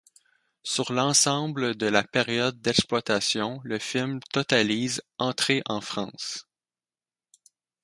Sur l'ensemble de la période d'exploitation le film totalise entrées en France.